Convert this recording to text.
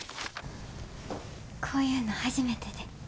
こういうの初めてで。